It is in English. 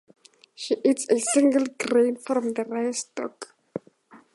She eats a single grain from the rice stalk.